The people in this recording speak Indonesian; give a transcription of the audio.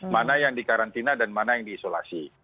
mana yang di karantina dan mana yang di isolasi